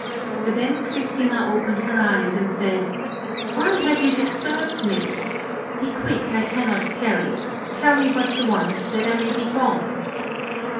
Then Christina opened her eyes and said, " Why have you disturbed me P Be quick, I cannot tarry ; tell me what you want, that I may be gone."